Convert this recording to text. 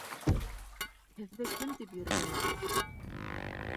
Һеҙҙе кем тип йөрөтәләр?